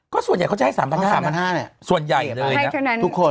ก็ส่วนใหญ่เขาจะให้๓๕๐๐ส่วนใหญ่เลยนะทุกคน